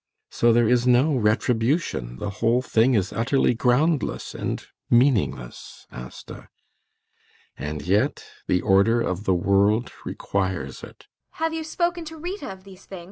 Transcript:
So there is no retribution; the whole thing is utterly groundless and meaningless, Asta. And yet the order of the world requires it.